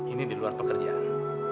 ini di luar pekerjaan